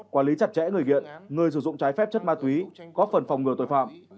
quản lý chặt chẽ người nghiện người sử dụng trái phép chất ma túy góp phần phòng ngừa tội phạm